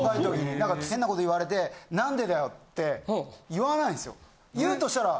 だから変なこと言われて「何でだよ！」って言わないですよ。